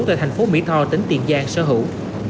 về thành phố mỹ tho tỉnh tiền giang sở hữu